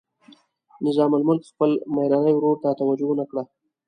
نظام الملک خپل میرني ورور ته توجه ونه کړه.